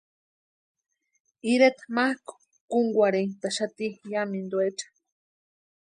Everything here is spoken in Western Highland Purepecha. Ireta mákʼu kúnkwarhentʼaxati yámintuecha.